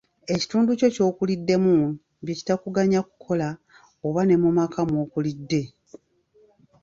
ekitundu kyo ky'okuliddemu bye kitakuganya kukola oba ne mu maka mw'okulidde